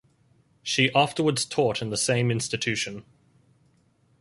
She afterwards taught in the same institution.